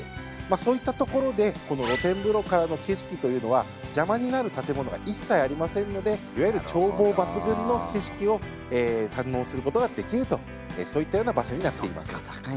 そういったところで露天風呂からの景色というのは邪魔になる建物が一切ありませんのでいわゆる眺望抜群の景色を堪能することができるとそういったような場所になっています。